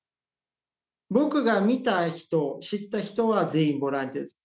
僕が見た人知った人は全員ボランティアです。